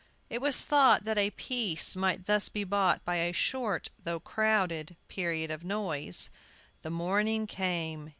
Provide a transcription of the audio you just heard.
It was thought that a peace might thus be bought by a short, though crowded, period of noise. The morning came.